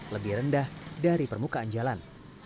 lebih rendah dari permukaan jalan